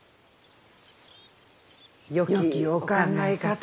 よきお考えかと。